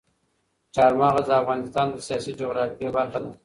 چار مغز د افغانستان د سیاسي جغرافیه برخه ده.